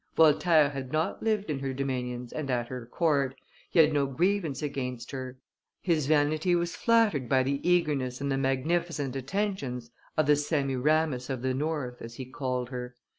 Voltaire had not lived in her dominions and at her court; he had no grievance against her; his vanity was flattered by the eagerness and the magnificent attentions of the Semiramis of the North, as he called her.